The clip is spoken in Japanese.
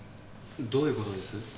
どういう事です？